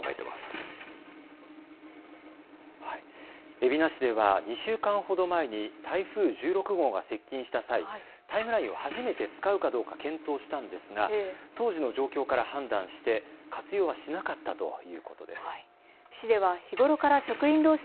海老名市では２週間ほど前に台風１６号が接近した際、タイムラインを初めて使うかどうか検討したんですが当時の状況から判断して活用はしなかったということです。